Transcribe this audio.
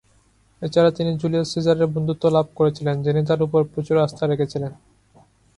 এছাড়া, তিনি জুলিয়াস সিজারের বন্ধুত্বও লাভ করেছিলেন, যিনি তার ওপর প্রচুর আস্থা রেখেছিলেন।